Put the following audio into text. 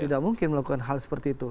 tidak mungkin melakukan hal seperti itu